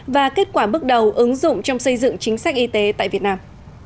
và kết quả bước đầu ứng dụng trong xây dựng chính sách y tế tại việt nam